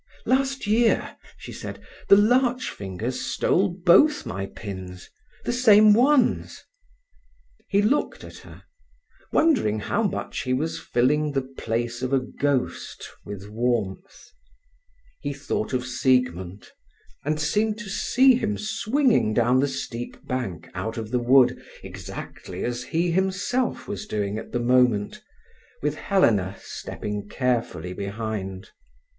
"Last year," she said, "the larch fingers stole both my pins—the same ones." He looked at her, wondering how much he was filling the place of a ghost with warmth. He thought of Siegmund, and seemed to see him swinging down the steep bank out of the wood exactly as he himself was doing at the moment, with Helena stepping carefully behind.